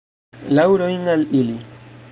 Laŭrojn al ili!